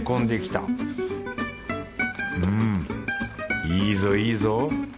うんいいぞいいぞ。